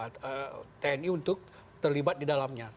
tni untuk terlibat di dalamnya